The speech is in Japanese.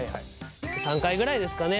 ３回ぐらいですかね。